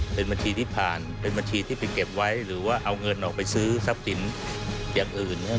เป็นบัญชีที่ผ่านเป็นบัญชีที่ไปเก็บไว้หรือว่าเอาเงินออกไปซื้อทรัพย์สินอย่างอื่นนะครับ